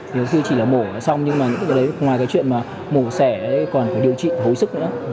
nếu như chỉ là mổ xong nhưng mà ngoài cái chuyện mà mổ xẻ còn phải điều trị hối sức nữa